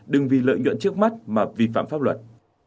đừng vì lợi nhuận trước mắt mà vi phạm pháp luật